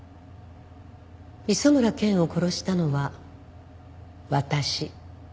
磯村健を殺したのは私。